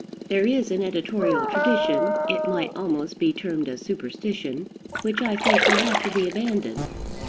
There is an editorial tradition it might almost be termed a superstition which I think will have to be abandoned.